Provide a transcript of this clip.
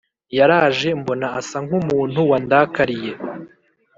Yaraje mbona asa nk’umuntu wandakariye